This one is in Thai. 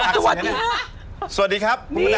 สวัสดีครับ